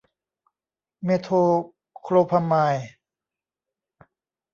เมโทโคลพราไมด์